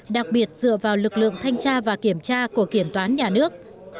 đặc biệt dựa vào lực lượng thanh tra và kiểm tra của kiểm toán nhà nước